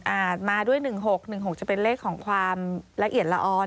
มาด้วย๑๖๑๖จะเป็นเลขของความละเอียดละออน